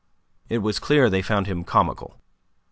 It was clear they found him comical.